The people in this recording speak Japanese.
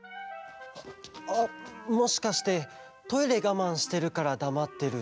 あもしかしてトイレがまんしてるからだまってるとか？